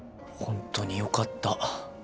本当によかった。